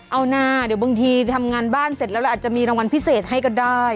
เอานะเดี๋ยวบางทีทำงานบ้านเสร็จแล้วเราอาจจะมีรางวัลพิเศษให้ก็ได้